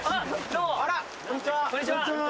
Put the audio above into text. こんにちは。